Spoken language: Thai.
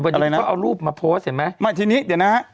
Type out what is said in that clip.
เขาเอารูปมาโพสต์เห็นไหมไม่ทีนี้เดี๋ยวนะฮะ